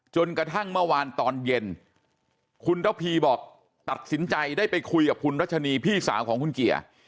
จนกระทั่งเมื่อวานตอนเย็นคุณระพีบอกตัดสินใจได้ไปคุยกับคุณรัชนีพี่สาวของคุณเกียร์